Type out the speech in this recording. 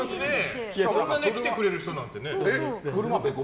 そんな来てくれる人なんてね。